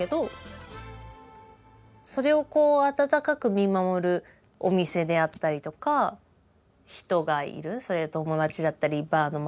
それをこう温かく見守るお店であったりとか人がいるそれは友達だったりバーのマスターだったり。